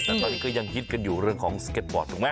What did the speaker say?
แต่ตอนนี้ก็ยังฮิตกันอยู่เรื่องของสเก็ตบอร์ดถูกไหม